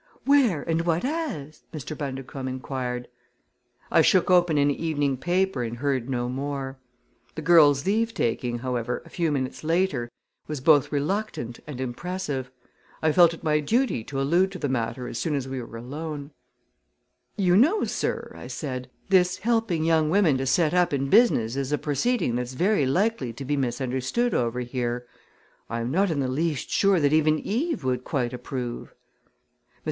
"Where, and what as?" Mr. Bundercombe inquired. I shook open an evening paper and heard no more. The girl's leavetaking, however, a few minutes later, was both reluctant and impressive. I felt it my duty to allude to the matter as soon as we were alone. "You know, sir," I said, "this helping young women to set up in business is a proceeding that's very likely to be misunderstood over here. I am not in the least sure that even Eve would quite approve." Mr.